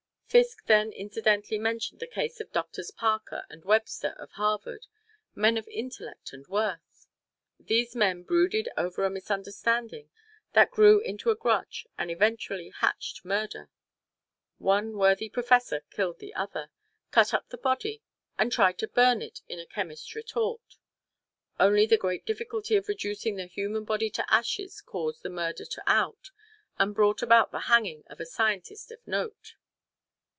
Fiske then incidentally mentioned the case of Doctors Parker and Webster of Harvard men of intellect and worth. These men brooded over a misunderstanding that grew into a grudge and eventually hatched murder. One worthy professor killed the other, cut up the body, and tried to burn it in a chemist's retort. Only the great difficulty of reducing the human body to ashes caused the murder to out, and brought about the hanging of a scientist of note.